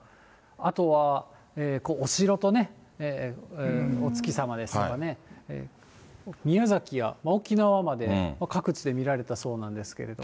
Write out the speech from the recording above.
あとはお城とね、お月様ですとかね、宮崎や沖縄まで、各地で見られたそうなんですけれどもね。